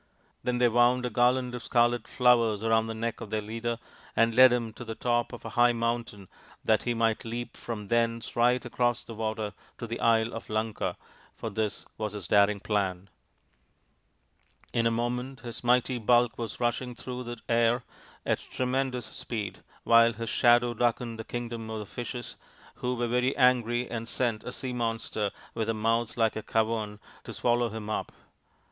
Then they wound a garland of scarlet flowers round the neck of their leader and led him to the top of a high mountain that he might leap from thence right across the water to the Isle of Lanka, for this was his daring plan, In a moment his mighty bulk was rushing through the air at tremendous speed, while his shadow darkened the kingdom of the fishes, who were very angry and sent a sea monster with a mouth like a cavern to swallow him up.